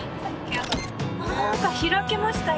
何か開けました